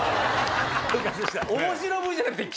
面白ＶＴＲじゃなくて。